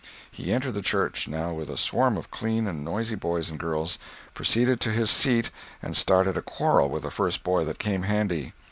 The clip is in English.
He entered the church, now, with a swarm of clean and noisy boys and girls, proceeded to his seat and started a quarrel with the first boy that came handy.